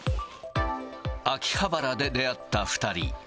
秋葉原で出会った２人。